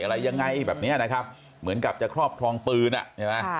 อะไรยังไงแบบเนี้ยนะครับเหมือนกับจะครอบครองปืนอ่ะใช่ไหม